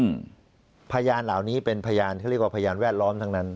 อืมพยานเหล่านี้เป็นพยานเขาเรียกว่าพยานแวดล้อมทั้งนั้น